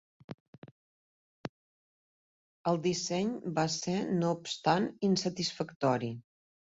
El disseny va ser no obstant insatisfactori.